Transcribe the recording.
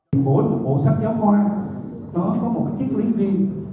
mỗi một bộ sách giáo khoa nó có một chiếc lý viên